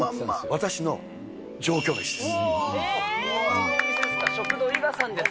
私の上京メシです。